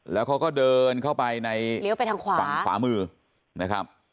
แล้วเขาก็เดินเข้าไปในเลี้ยวไปทางขวาฝั่งขวามือนะครับ